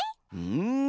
うん！